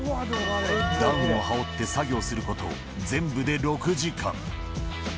ダウンを羽織って作業すること、全部で６時間。